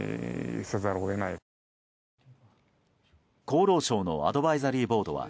厚労省のアドバイザリーボードは